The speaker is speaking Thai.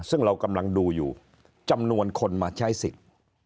ซึ่งเรากำลังดูอยู่จำนวนคนมาใช้สิทธิ์